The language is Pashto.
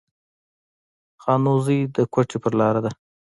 خانوزۍ د کوټي پر لار ده